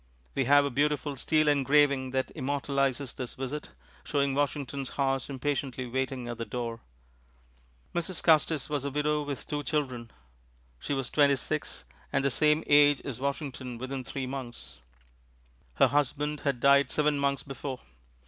We have a beautiful steel engraving that immortalizes this visit, showing Washington's horse impatiently waiting at the door. Mrs. Custis was a widow with two children. She was twenty six, and the same age as Washington within three months. Her husband had died seven months before.